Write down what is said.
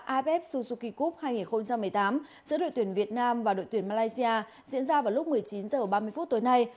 apef suzuki cup hai nghìn một mươi tám giữa đội tuyển việt nam và đội tuyển malaysia diễn ra vào lúc một mươi chín h ba mươi phút tối nay